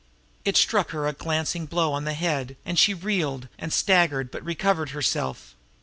It struck her a glancing blow on the head, and she reeled and staggered, but recovered herself.